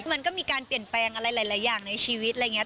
มันก็มีการเปลี่ยนแปลงอะไรหลายอย่างในชีวิตอะไรอย่างนี้